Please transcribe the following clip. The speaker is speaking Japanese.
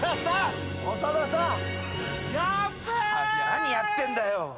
・何やってんだよ。